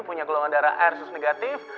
punya golongan darah a resus negatif